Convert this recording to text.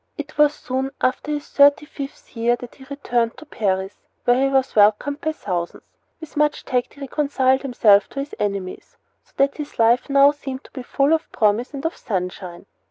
It was soon after his thirty fifth year that he returned to Paris, where he was welcomed by thousands. With much tact he reconciled himself to his enemies, so that his life now seemed to be full of promise and of sunshine.